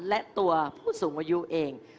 และตัวผู้สูงอายุเอง